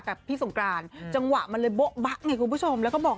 คือใบเฟิร์นเขาเป็นคนที่อยู่กับใครก็ได้ค่ะแล้วก็ตลกด้วย